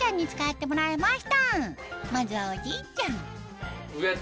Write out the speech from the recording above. まずはおじいちゃん